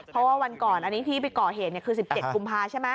เพราะวันก่อนอันนี้เพียงเขาก่อเห็นคือ๑๗กุมพาใช่ไหม